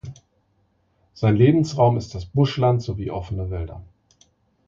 Sein Lebensraum ist das Buschland sowie offene Wälder.